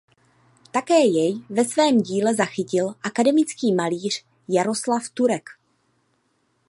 Také jej ve svém díle zachytil akademický malíř Jaroslav Turek.